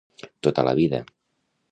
Tota la vida.